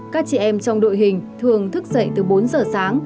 các chị em trong đội hình thường thức dậy từ bốn giờ sáng